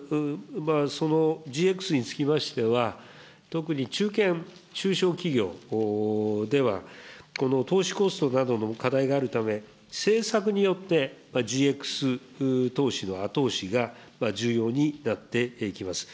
ＧＸにつきましては、特に中堅・中小企業では、投資コストなどの課題があるため、政策によってＧＸ投資の後押しが重要になってきます。